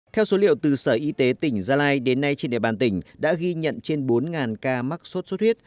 theo số liệu từ sở y tế tỉnh gia lai đến nay trên địa bàn tỉnh đã ghi nhận trên bốn ca mắc sốt xuất huyết